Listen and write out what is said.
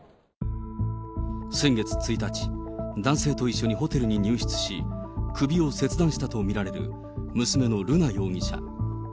先月１日、男性と一緒にホテルに入室し、首を切断したと見られる娘の瑠奈容疑者。